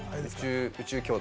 『宇宙兄弟』。